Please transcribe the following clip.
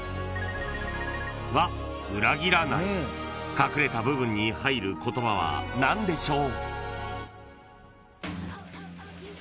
［隠れた部分に入る言葉は何でしょう？］